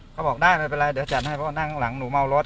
เขาบอกได้ไม่เป็นไรเดี๋ยวจัดให้เพราะว่านั่งหลังหนูเมารถ